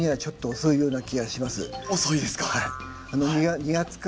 遅いですか。